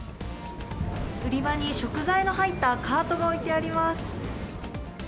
売り場に食材の入ったカートが置いてあります。